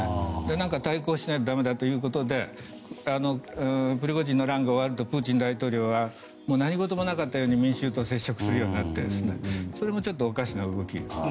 何か対抗しなきゃということでプリゴジンの乱が終わるとプーチン大統領は何事もなかったかのように民衆と接触するようになってそれもちょっとおかしな動きですね。